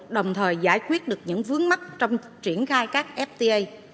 đồng thời giải quyết được những vướng mắt trong triển khai các fta